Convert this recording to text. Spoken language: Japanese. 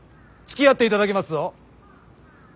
つきあっていただきますぞ。